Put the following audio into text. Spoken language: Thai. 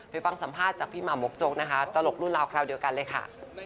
ฟังสัมภาษณ์จากพี่หม่ำมกโจ๊กนะคะตลกรุ่นราวคราวเดียวกันเลยค่ะ